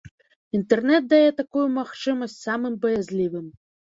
Інтэрнэт дае такую магчымасць самым баязлівым.